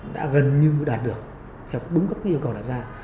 đã gần như đạt được theo đúng các yêu cầu đặt ra